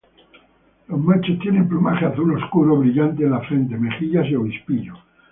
Los machos tienen plumaje azul oscuro, brillante en la frente, mejillas y obispillo.